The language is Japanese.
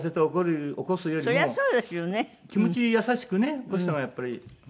気持ち優しくね起こした方がやっぱり。